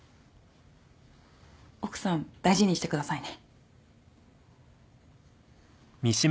奥さん大事にしてくださいね。